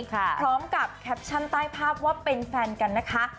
พร้อมกับแคปชั่นใต้ภาพว่าเป็นแฟนกันนะคะ